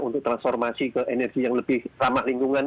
untuk transformasi ke energi yang lebih ramah lingkungan